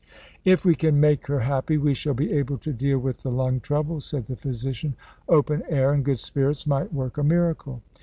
"If we can make her happy, we shall be able to deal with the lung trouble," said the physician. "Open air and good spirits might work a miracle."